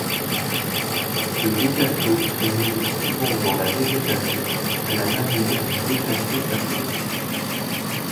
Ce bécasseau se nourrit souvent dans la végétation à la manière du Bécasseau tacheté.